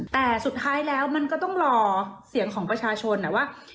แต่สุดท้ายแล้วมันก็ต้องรอเสียงของประชาชนว่า